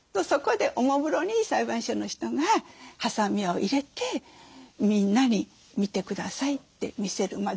そこでおもむろに裁判所の人がはさみを入れてみんなに見て下さいって見せる。